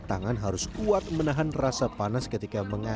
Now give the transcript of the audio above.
tangan harus kuat menahan rasa panas ketika mengandung